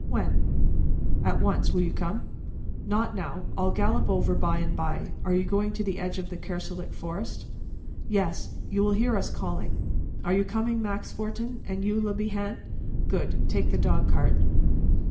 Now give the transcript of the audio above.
"When?" "At once. Will you come?" "Not now. I'll gallop over by and bye. You are going to the edge of the Kerselec forest?" "Yes; you will hear us calling. Are you coming, Max Fortin? And you, Le Bihan? Good; take the dog cart."